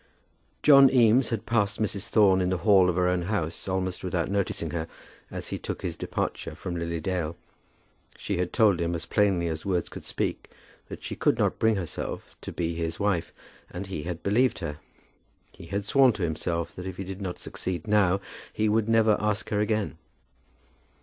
John Eames had passed Mrs. Thorne in the hall of her own house almost without noticing her as he took his departure from Lily Dale. She had told him as plainly as words could speak that she could not bring herself to be his wife, and he had believed her. He had sworn to himself that if he did not succeed now he would never ask her again.